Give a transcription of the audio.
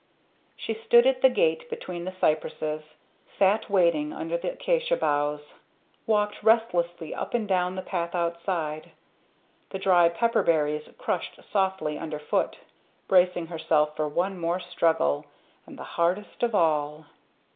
She stood at the gate between the cypresses, sat waiting under the acacia boughs, walked restlessly up and down the path outside, the dry pepper berries crush softly under foot; bracing herself for one more struggle and the hardest of all.